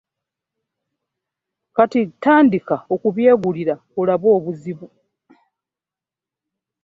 Kati tandika okubyegulira olabe obuzibu.